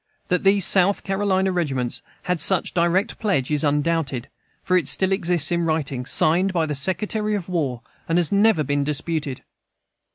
That these South Carolina regiments had such direct pledge is undoubted, for it still exists in writing, signed by the Secretary of War, and has never been disputed.